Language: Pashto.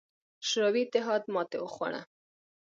شوروي اتحاد ماتې وخوړه.